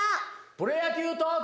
プロ野球トーク。